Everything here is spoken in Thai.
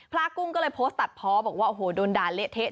พลากุ้งก็เลยโพสต์ตัดพอบอกว่าโดนด่าเละเทะ